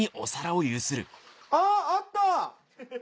あぁあった！